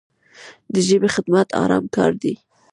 د ژبې خدمت ارام کار دی.